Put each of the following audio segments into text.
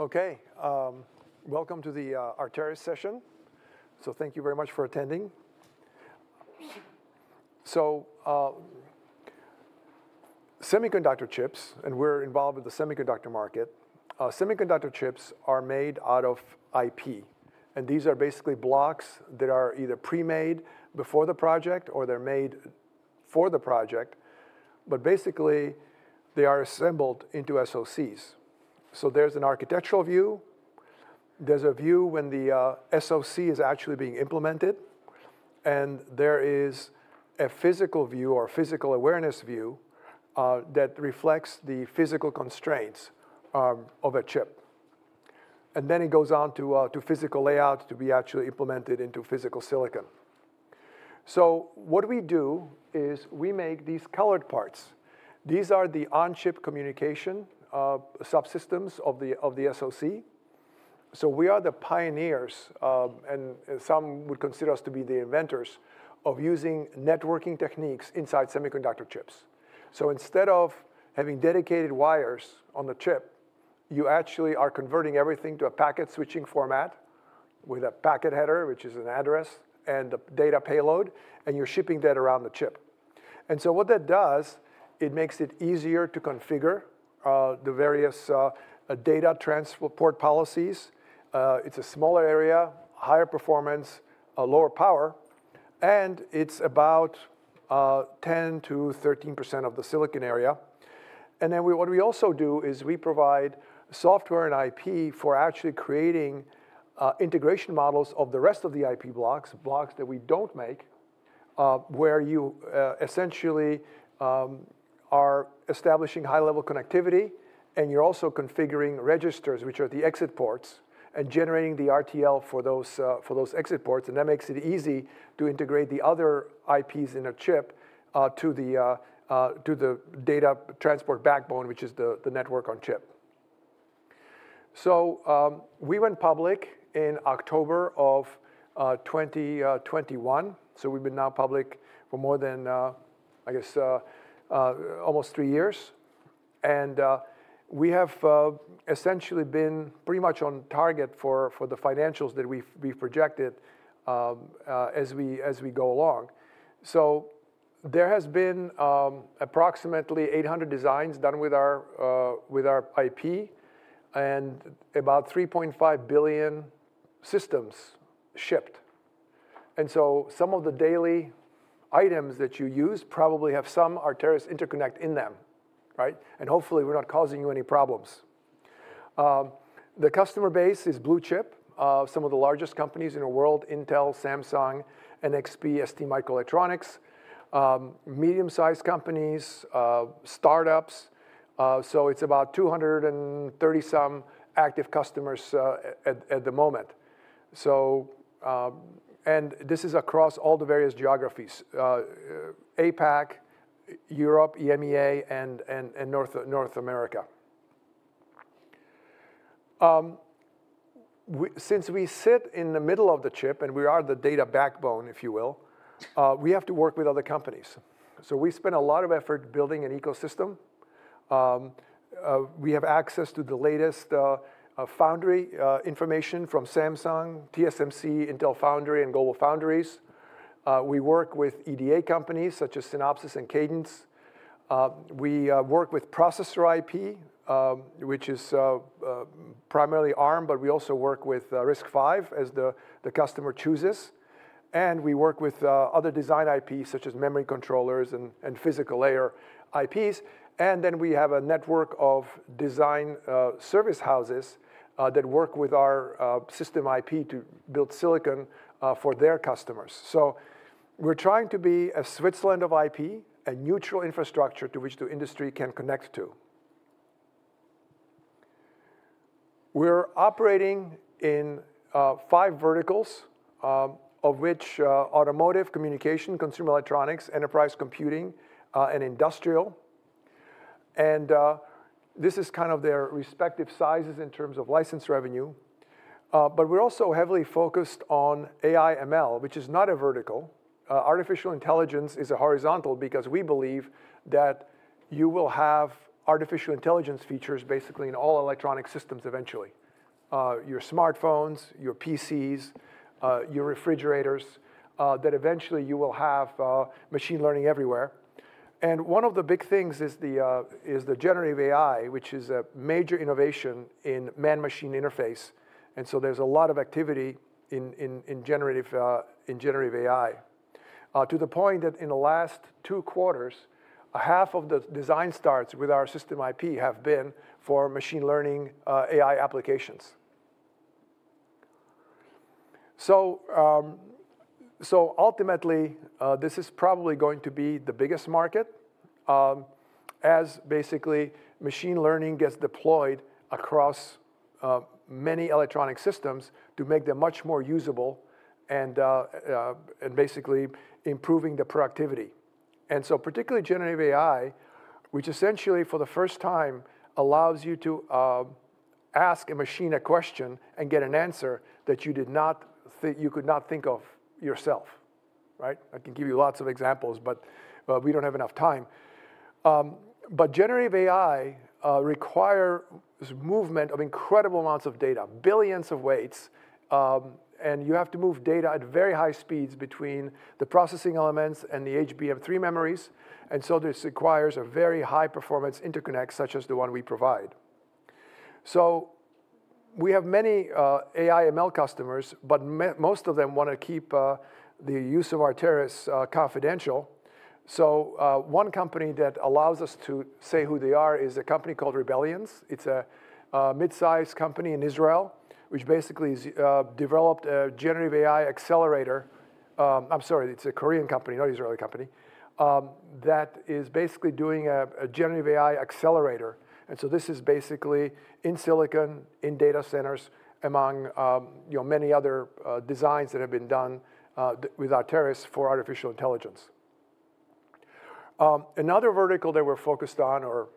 Okay, welcome to the Arteris session. So thank you very much for attending. So, semiconductor chips, and we're involved with the semiconductor market. Semiconductor chips are made out of IP, and these are basically blocks that are either pre-made before the project or they're made for the project, but basically, they are assembled into SoCs. So there's an architectural view, there's a view when the SoC is actually being implemented, and there is a physical view or physical awareness view that reflects the physical constraints of a chip. And then it goes on to physical layout to be actually implemented into physical silicon. So what we do is we make these colored parts. These are the on-chip communication subsystems of the SoC. So we are the pioneers, and some would consider us to be the inventors of using networking techniques inside semiconductor chips. So instead of having dedicated wires on the chip, you actually are converting everything to a packet switching format, with a packet header, which is an address and a data payload, and you're shipping that around the chip. And so what that does, it makes it easier to configure the various data transport policies. It's a smaller area, higher performance, a lower power, and it's about 10% to 13% of the silicon area. And then what we also do is we provide software and IP for actually creating integration models of the rest of the IP blocks, blocks that we don't make, where you essentially are establishing high-level connectivity, and you're also configuring registers, which are the exit ports, and generating the RTL for those, for those exit ports. And that makes it easy to integrate the other IPs in a chip to the data transport backbone, which is the network on chip. So, we went public in October of 2021, so we've been now public for more than, I guess, almost three years. And, we have essentially been pretty much on target for the financials that we've projected, as we go along. So there has been approximately 800 designs done with our IP, and about 3.5 billion systems shipped. And so some of the daily items that you use probably have some Arteris's interconnect in them, right? And hopefully, we're not causing you any problems. The customer base is blue chip, some of the largest companies in the world: Intel, Samsung, NXP, STMicroelectronics, medium-sized companies, startups. So it's about 230-some active customers at the moment. So, and this is across all the various geographies, APAC, Europe, EMEA, and North America. Since we sit in the middle of the chip and we are the data backbone, if you will, we have to work with other companies. So we spend a lot of effort building an ecosystem. We have access to the latest foundry information from Samsung, TSMC, Intel Foundry, and GlobalFoundries. We work with EDA companies such as Synopsys and Cadence. We work with processor IP, which is primarily Arm, but we also work with RISC-V as the customer chooses. We work with other design IPs, such as memory controllers and physical layer IPs. We have a network of design service houses that work with our system IP to build silicon for their customers. So we're trying to be a Switzerland of IP, a neutral infrastructure to which the industry can connect to. We're operating in five verticals, of which automotive, communication, consumer electronics, enterprise computing, and industrial. This is kind of their respective sizes in terms of license revenue. But we're also heavily focused on AI/ML, which is not a vertical. Artificial intelligence is a horizontal because we believe that you will have artificial intelligence features basically in all electronic systems eventually. Your smartphones, your PCs, your refrigerators, that eventually you will have machine learning everywhere. And one of the big things is the generative AI, which is a major innovation in man-machine interface, and so there's a lot of activity in generative AI. To the point that in the last two quarters, half of the design starts with our system IP have been for machine learning AI applications. So, ultimately, this is probably going to be the biggest market, as basically machine learning gets deployed across many electronic systems to make them much more usable and and basically improving the productivity. And so particularly generative AI, which essentially for the first time allows you to ask a machine a question and get an answer that you did not this you could not think of yourself.... Right? I can give you lots of examples, but we don't have enough time. But generative AI require this movement of incredible amounts of data, billions of weights, and you have to move data at very high speeds between the processing elements and the HBM3 memories, and so this requires a very high-performance interconnect, such as the one we provide. So we have many AI/ML customers, but most of them want to keep the use of Arteris confidential. So one company that allows us to say who they are is a company called Rebellions. It's a mid-sized company in Israel, which basically is developed a generative AI accelerator. I'm sorry, it's a Korean company, not Israeli company, that is basically doing a generative AI accelerator. And so this is basically in silicon, in data centers, among your many other designs that have been done with Arteris for artificial intelligence. Another vertical that we're focused on, or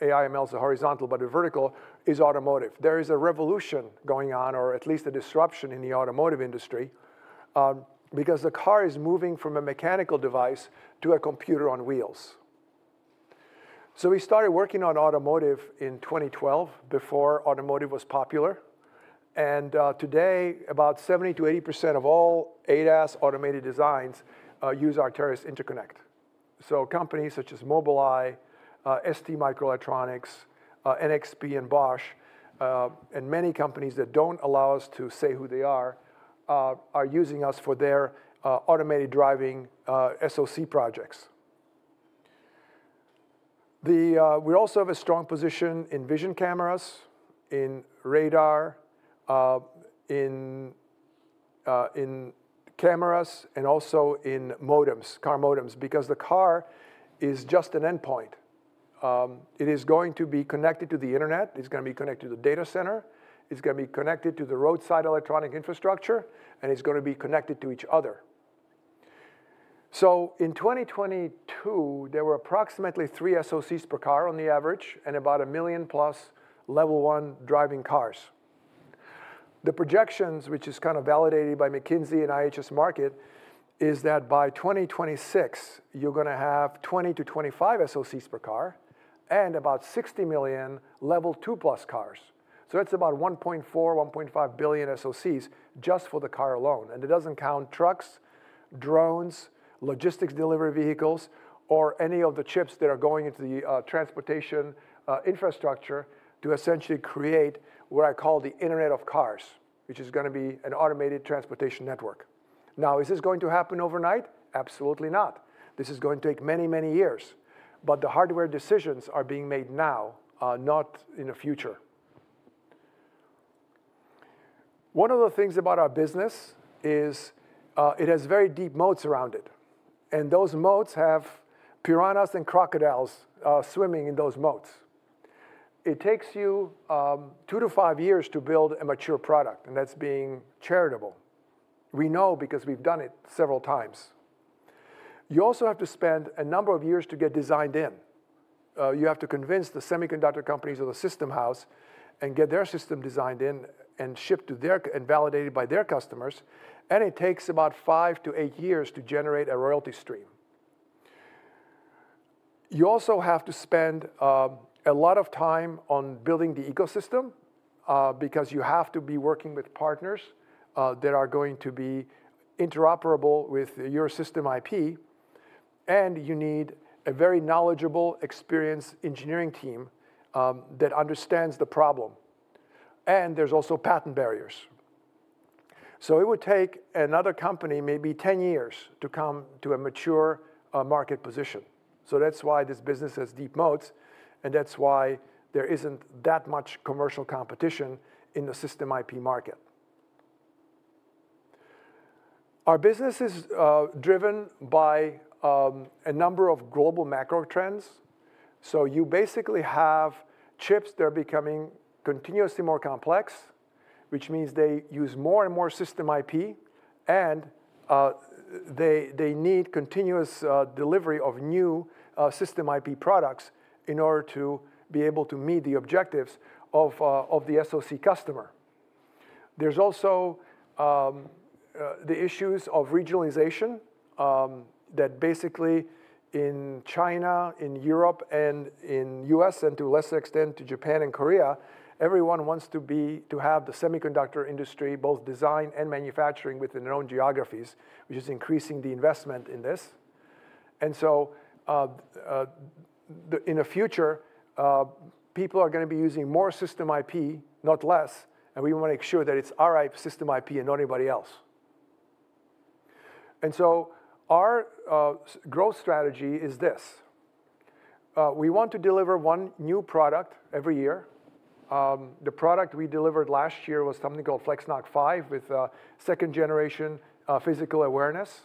AI/ML is a horizontal, but a vertical, is automotive. There is a revolution going on, or at least a disruption in the automotive industry, because the car is moving from a mechanical device to a computer on wheels. So we started working on automotive in 2012, before automotive was popular, and today, about 70% to 80% of all ADAS automated designs use Arteris interconnect. So companies such as Mobileye, STMicroelectronics, NXP, and Bosch, and many companies that don't allow us to say who they are, are using us for their automated driving SoC projects. We also have a strong position in vision cameras, in radar, in cameras, and also in modems, car modems, because the car is just an endpoint. It is going to be connected to the Internet, it's gonna be connected to the data center, it's gonna be connected to the roadside electronic infrastructure, and it's gonna be connected to each other. So in 2022, there were approximately three SoCs per car on the average, and about one million-plus Level 1 driving cars. The projections, which is kind of validated by McKinsey and IHS Markit, is that by 2026, you're gonna have 20 to 25 SoCs per car and about 60 million Level 2+ cars. So that's about 1.4 to 1.5 billion SoCs just for the car alone, and it doesn't count trucks, drones, logistics delivery vehicles, or any of the chips that are going into the transportation infrastructure to essentially create what I call the Internet of Cars, which is gonna be an automated transportation network. Now, is this going to happen overnight? Absolutely not. This is going to take many, many years, but the hardware decisions are being made now, not in the future. One of the things about our business is, it has very deep moats around it, and those moats have piranhas and crocodiles swimming in those moats. It takes you 2 to 5 years to build a mature product, and that's being charitable. We know because we've done it several times. You also have to spend a number of years to get designed in. You have to convince the semiconductor companies of the system house and get their system designed in and shipped to their and validated by their customers, and it takes about 5-8 years to generate a royalty stream. You also have to spend a lot of time on building the ecosystem, because you have to be working with partners that are going to be interoperable with your system IP, and you need a very knowledgeable, experienced engineering team that understands the problem, and there's also patent barriers. So it would take another company maybe 10 years to come to a mature market position. So that's why this business has deep moats, and that's why there isn't that much commercial competition in the system IP market. Our business is driven by a number of global macro trends. So you basically have chips that are becoming continuously more complex, which means they use more and more system IP, and they need continuous delivery of new system IP products in order to be able to meet the objectives of the SoC customer. There's also the issues of regionalization that basically in China, in Europe, and in US, and to a lesser extent, to Japan and Korea, everyone wants to have the semiconductor industry, both design and manufacturing, within their own geographies, which is increasing the investment in this. And so in the future, people are gonna be using more system IP, not less, and we want to make sure that it's our system IP and not anybody else. And so our growth strategy is this: we want to deliver one new product every year. The product we delivered last year was something called FlexNoC 5 with second-generation physical awareness.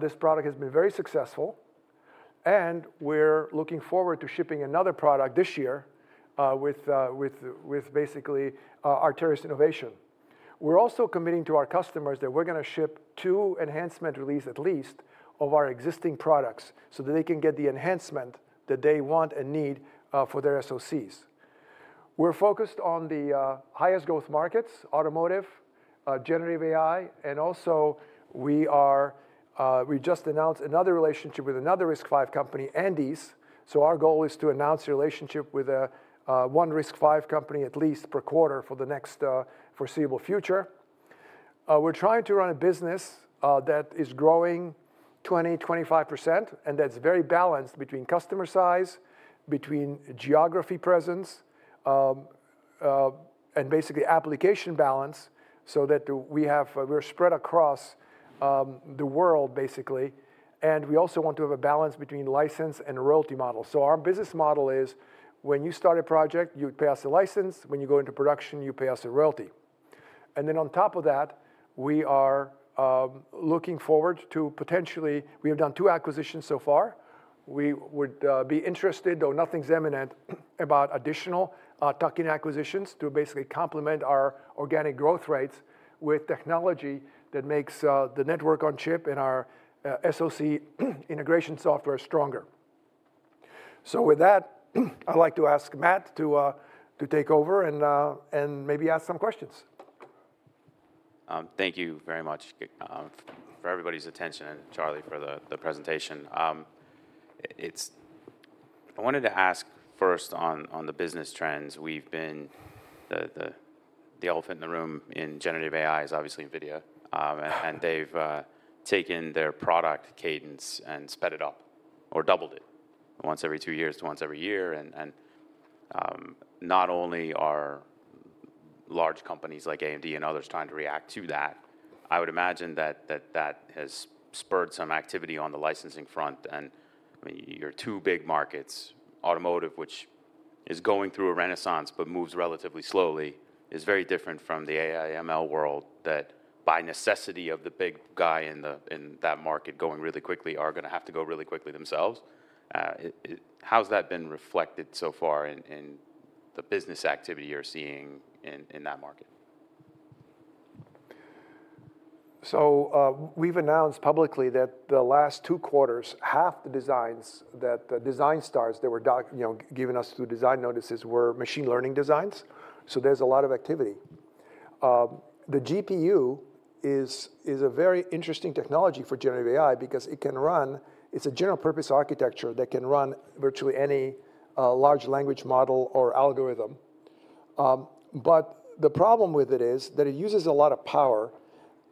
This product has been very successful, and we're looking forward to shipping another product this year with basically Arteris innovation. We're also committing to our customers that we're gonna ship two enhancement releases at least of our existing products, so that they can get the enhancement that they want and need for their SoCs. We're focused on the highest growth markets, automotive, generative AI, and also we just announced another relationship with another RISC-V company, Andes. So our goal is to announce a relationship with one RISC-V company at least per quarter for the next foreseeable future. We're trying to run a business that is growing 20% to 25%, and that's very balanced between customer size, between geography presence, and basically application balance, so that we have, we're spread across the world, basically. And we also want to have a balance between license and a royalty model. So our business model is, when you start a project, you pay us a license. When you go into production, you pay us a royalty. And then on top of that, we are looking forward to potentially... We have done two acquisitions so far. We would be interested, though nothing's imminent, about additional tuck-in acquisitions to basically complement our organic growth rates with technology that makes the Network on Chip and our SoC integration software stronger. So with that, I'd like to ask Matt to take over and maybe ask some questions. Thank you very much for everybody's attention, and Charlie, for the presentation. I wanted to ask first on the business trends. We've been, the elephant in the room in generative AI is obviously NVIDIA. And they've taken their product cadence and sped it up or doubled it, once every 2 years to once every 1 year. And not only are large companies like AMD and others trying to react to that, I would imagine that has spurred some activity on the licensing front. And I mean, your two big markets, automotive, which is going through a renaissance, but moves relatively slowly, is very different from the AI ML world, that by necessity of the big guy in that market going really quickly, are gonna have to go really quickly themselves. How's that been reflected so far in, in the business activity you're seeing in, in that market? So, we've announced publicly that the last two quarters, half the designs, that the design starts that were you know, given us through design notices, were machine learning designs, so there's a lot of activity. The GPU is a very interesting technology for generative AI because it can run. It's a general purpose architecture that can run virtually any large language model or algorithm. But the problem with it is that it uses a lot of power,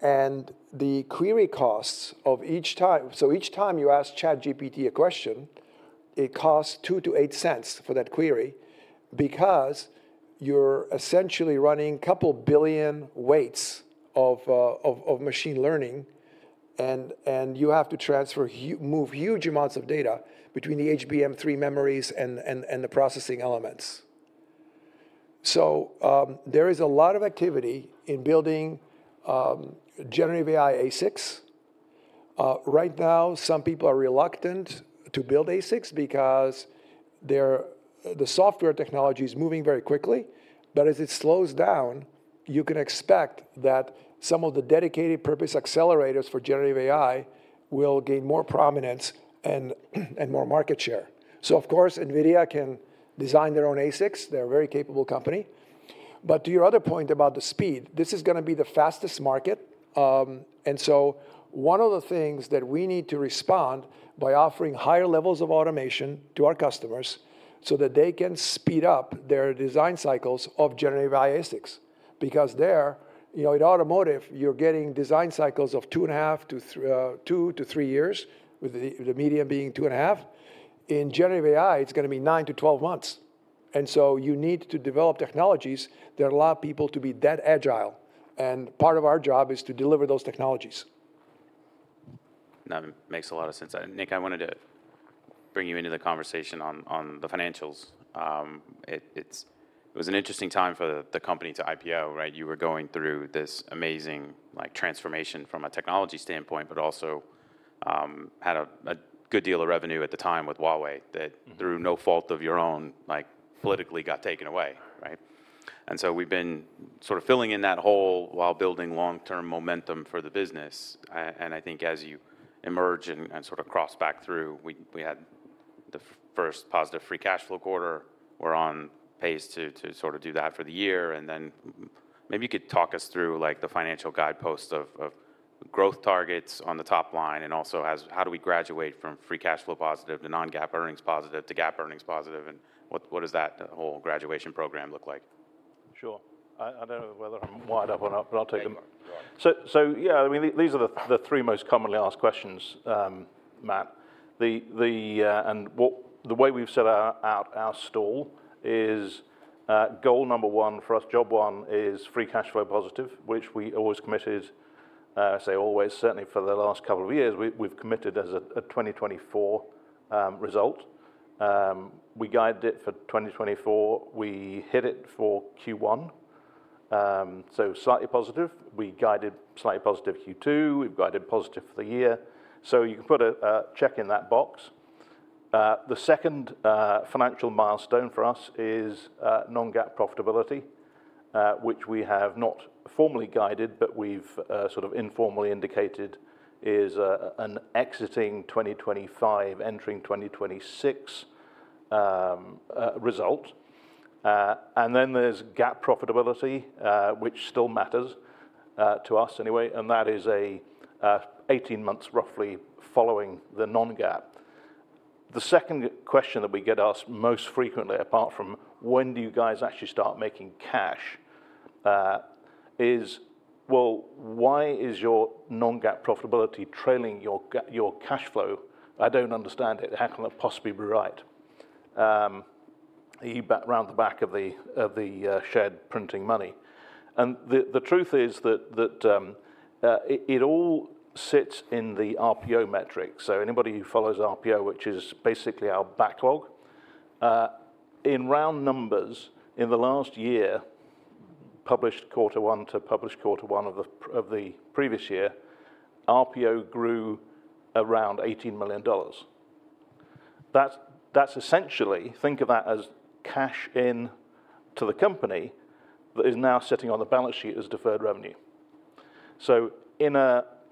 and the query costs of each time. So each time you ask ChatGPT a question, it costs $0.02 to 0.08 for that query, because you're essentially running couple billion weights of machine learning, and you have to move huge amounts of data between the HBM3 memories and the processing elements. So, there is a lot of activity in building generative AI ASICs. Right now, some people are reluctant to build ASICs because the software technology is moving very quickly, but as it slows down, you can expect that some of the dedicated purpose accelerators for generative AI will gain more prominence and more market share. So of course, NVIDIA can design their own ASICs. They're a very capable company. But to your other point about the speed, this is gonna be the fastest market. And so one of the things that we need to respond by offering higher levels of automation to our customers, so that they can speed up their design cycles of generative AI ASICs. Because there, you know, in automotive, you're getting design cycles of 2 to 3 years, with the median being 2.5. In generative AI, it's gonna be 9 to 12 months, and so you need to develop technologies that allow people to be that agile, and part of our job is to deliver those technologies. That makes a lot of sense. Nick, I wanted to bring you into the conversation on the financials. It was an interesting time for the company to IPO, right? You were going through this amazing, like, transformation from a technology standpoint, but also had a good deal of revenue at the time with Huawei, that through no fault of your own, like, politically got taken away, right? And so we've been sort of filling in that hole while building long-term momentum for the business. And I think as you emerge and sort of cross back through, we had the first positive free cash flow quarter. We're on pace to sort of do that for the year. And then maybe you could talk us through, like, the financial guideposts of growth targets on the top line, and also as how do we graduate from free cash flow positive to non-GAAP earnings positive, to GAAP earnings positive, and what does that whole graduation program look like? Sure. I don't know whether I'm wired up or not, but I'll take them. So yeah, I mean, these are the three most commonly asked questions, Matt. The way we've set out our stall is goal number one for us, job one is free cash flow positive, which we always committed, say always, certainly for the last couple of years, we've committed as a 2024 result. We guided it for 2024, we hit it for Q1, so slightly positive. We guided slightly positive Q2, we've guided positive for the year, so you can put a check in that box. The second financial milestone for us is non-GAAP profitability, which we have not formally guided, but we've sort of informally indicated is an exiting 2025, entering 2026 result. And then there's GAAP profitability, which still matters to us anyway, and that is 18 months roughly following the non-GAAP. The second question that we get asked most frequently, apart from when do you guys actually start making cash, is, well, why is your non-GAAP profitability trailing your cash flow? I don't understand it. How can that possibly be right? You bet round the back of the shed printing money. And the truth is that it all sits in the RPO metric. So anybody who follows RPO, which is basically our backlog, in round numbers in the last year, published quarter one to published quarter one of the previous year, RPO grew around $18 million. That's essentially, think of that as cash in to the company, that is now sitting on the balance sheet as deferred revenue. So in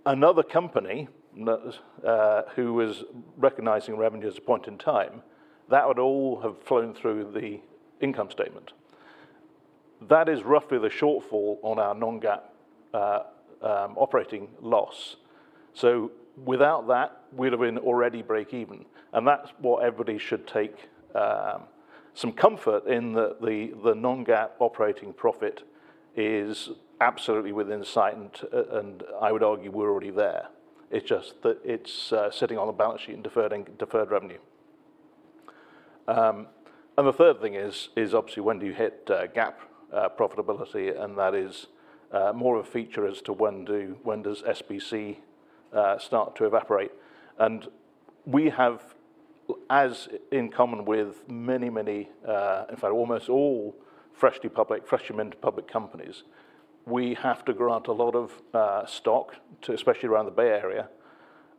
another company that who was recognizing revenue as a point in time, that would all have flown through the income statement. That is roughly the shortfall on our Non-GAAP operating loss. So without that, we'd have been already break even, and that's what everybody should take some comfort in that the Non-GAAP operating profit is absolutely within sight, and I would argue we're already there. It's just that it's sitting on a balance sheet in deferred revenue. And the third thing is obviously when do you hit GAAP profitability? And that is more a feature as to when does SBC start to evaporate. And we have, as in common with many, many, in fact, almost all freshly public, freshly minted public companies, we have to grant a lot of stock to, especially around the Bay Area,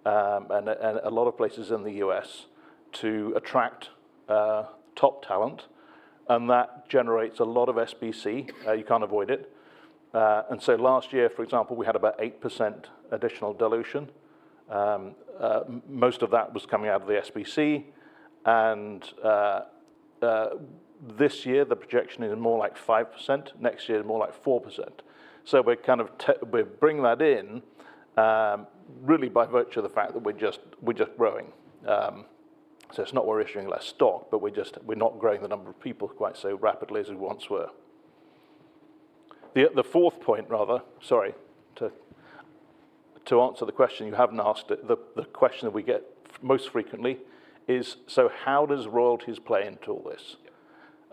and a lot of places in the US, to attract top talent, and that generates a lot of SBC, you can't avoid it. And so last year, for example, we had about 8% additional dilution. Most of that was coming out of the SBC, and this year, the projection is more like 5%. Next year, more like 4%. So we're kind of bringing that in, really by virtue of the fact that we're just, we're just growing. So it's not we're issuing less stock, but we're just, we're not growing the number of people quite so rapidly as we once were. The fourth point, rather, sorry, to answer the question you haven't asked, the question that we get most frequently is, so how does royalties play into all this?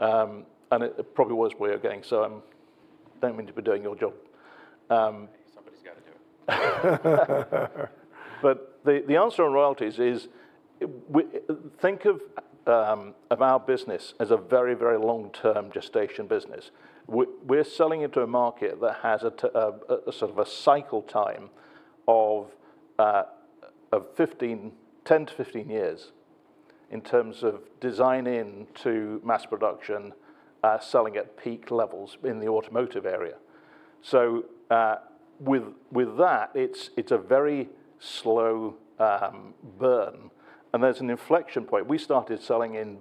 Yeah. And it probably was where you're going, so I don't mean to be doing your job. Somebody's got to do it. But the answer on royalties is, think of our business as a very, very long-term gestation business. We're selling into a market that has a sort of a cycle time of 10 to 15 years in terms of designing to mass production, selling at peak levels in the automotive area. So, with that, it's a very slow burn, and there's an inflection point. We started selling in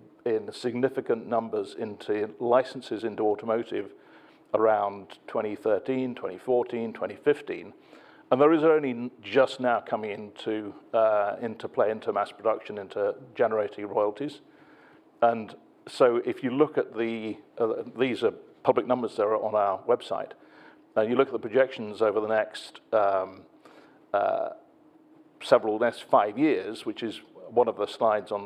significant numbers into licenses into automotive around 2013, 2014, 2015, and those are only just now coming into play, into mass production, into generating royalties. And so if you look at these are public numbers that are on our website, and you look at the projections over the next several, let's five years, which is one of the slides on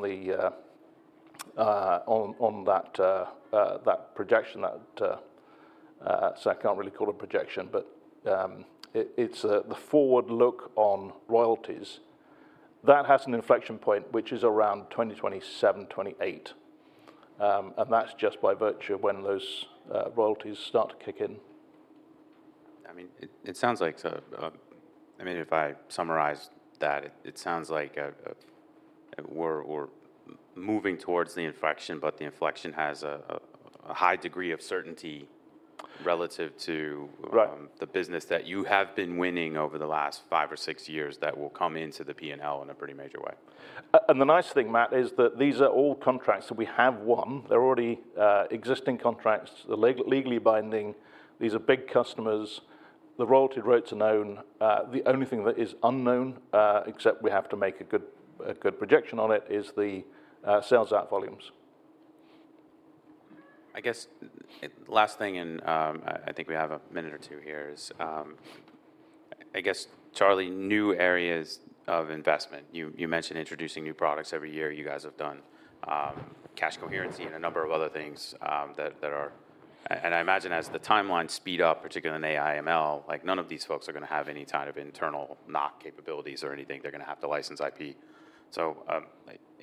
that projection, so I can't really call it a projection, but it's the forward look on royalties. That has an inflection point, which is around 2027, 2028. And that's just by virtue of when those royalties start to kick in. I mean, it sounds like, so, I mean, if I summarize that, it sounds like, we're moving towards the inflection, but the inflection has a high degree of certainty relative to the business that you have been winning over the last five or six years that will come into the P&L in a pretty major way. And the nice thing, Matt, is that these are all contracts that we have won. They're already existing contracts. They're legally binding. These are big customers. The royalty rates are known. The only thing that is unknown, except we have to make a good, a good projection on it, is the sales out volumes. I guess, last thing, and I think we have a minute or two here. I guess, Charlie, new areas of investment. You mentioned introducing new products every year. You guys have done cache coherency and a number of other things that are... And I imagine as the timelines speed up, particularly in AI/ML, like, none of these folks are gonna have any type of internal NoC capabilities or anything. They're gonna have to license IP. So,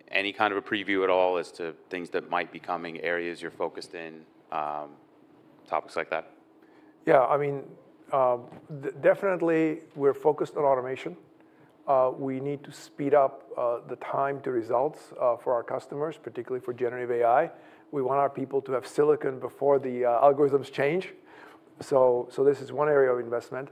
any kind of a preview at all as to things that might be coming, areas you're focused in, topics like that? Yeah, I mean, definitely we're focused on automation. We need to speed up the time to results for our customers, particularly for generative AI. We want our people to have silicon before the algorithms change. So this is one area of investment.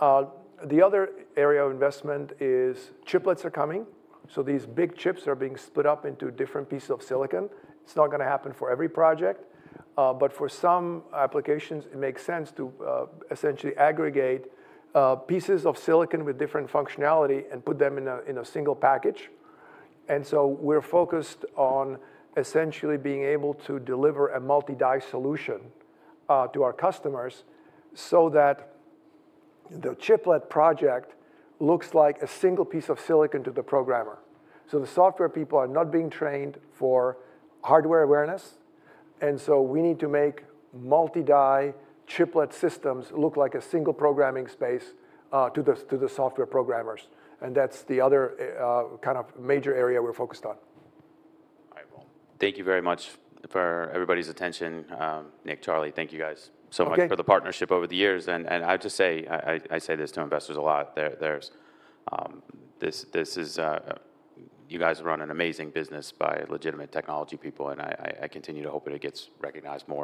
The other area of investment is chiplets are coming, so these big chips are being split up into different pieces of silicon. It's not gonna happen for every project, but for some applications it makes sense to essentially aggregate pieces of silicon with different functionality and put them in a single package. And so we're focused on essentially being able to deliver a multi-die solution to our customers so that the chiplet project looks like a single piece of silicon to the programmer. So the software people are not being trained for hardware awareness, and so we need to make multi-die chiplet systems look like a single programming space, to the software programmers, and that's the other kind of major area we're focused on. All right. Well, thank you very much for everybody's attention. Nick, Charlie, thank you guys- Okay. So much for the partnership over the years. And I have to say, I say this to investors a lot. There's this. This is, you guys run an amazing business by legitimate technology people, and I continue to hope that it gets recognized more.